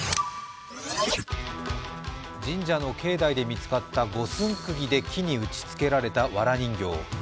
神社の境内で見つかった五寸釘で木に打ちつけられたわら人形。